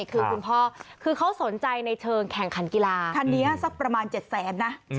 คือคุณพ่อคือเขาสนใจในเชิงแข่งขันกีฬาคันนี้สักประมาณ๗แสนนะ